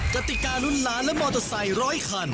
กติการุ่นล้านและมอเตอร์ไซค์ร้อยคัน